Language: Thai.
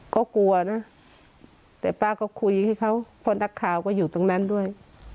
ก็กลัวนะแต่ป้าก็คุยให้เขาเพราะนักข่าวก็อยู่ตรงนั้นด้วย